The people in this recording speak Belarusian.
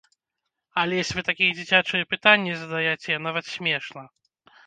Алесь, вы такія дзіцячыя пытанні задаяце, нават смешна.